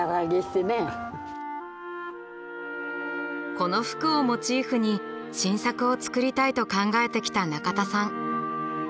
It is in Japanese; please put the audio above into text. この服をモチーフに新作を作りたいと考えてきた中田さん。